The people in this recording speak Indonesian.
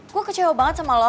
gue kecewa banget sama lo